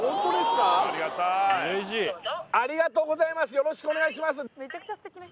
よろしくお願いします